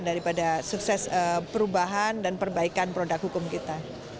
daripada sukses perubahan dan perbaikan produk hukum kita